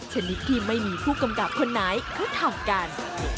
ชนิดที่ไม่มีผู้กำกับคนไหนเขาทำกัน